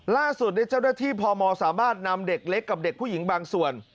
ล่าสุดเจ้าหน้าที่พมสามารถนำเด็กเล็กกับเด็กผู้หญิงบางส่วน